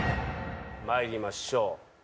まいりましょう。